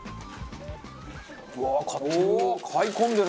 「うわっ買ってる！」